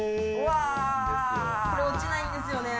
これ、落ちないんですよね。